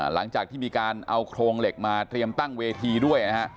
หลังจากที่มีการเอาโครงเหล็กมาเตรียมตั้งเวทีด้วยนะฮะ